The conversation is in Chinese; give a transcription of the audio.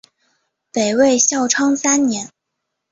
北魏孝昌三年。